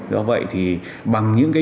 do vậy thì bằng những cái